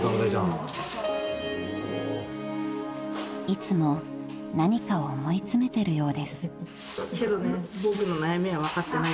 ［いつも何かを思い詰めてるようです］けどね。